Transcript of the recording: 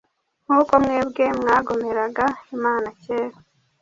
Nk’uko mwebwe mwagomeraga Imana kera,